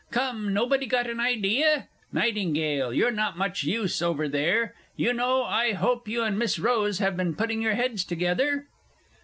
Come nobody got an idea? Nightingale, you're not much use over there, you know. I hope you and Miss Rose have been putting your heads together?